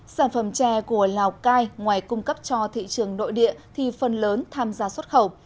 sản phẩm chè của lào cai ngoài cung cấp cho thị trường nội địa thì phần lớn tham gia xuất khẩu